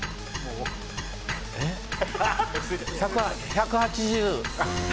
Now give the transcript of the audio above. １８０。